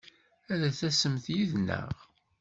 Ad d-tasemt yid-neɣ!